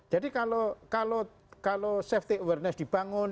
jadi kalau safety awareness dibangun